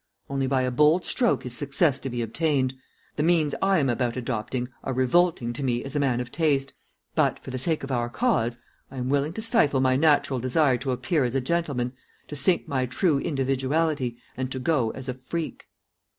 Only by a bold stroke is success to be obtained. The means I am about adopting are revolting to me as a man of taste, but for the sake of our cause I am willing to stifle my natural desire to appear as a gentleman, to sink my true individuality, and to go as a freak."